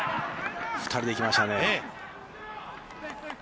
２人でいきましたね。